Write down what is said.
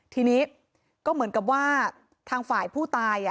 ทีนี้ก็เหมือนกับว่าทางฝ่ายผู้ตาย